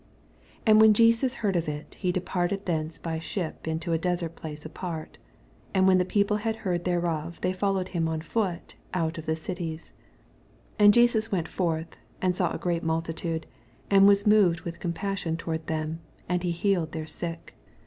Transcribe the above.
ia 21. IS When Jesus heard (f^^ he de parted thenoe by ship into a desert place apart : and when the people had neard ihereoA thej folic wed him on fjot oat of the dtiea. 14 And Jesus went forth, and saw a great multitude, and was moved with compassion toward them, and ha healed their sick.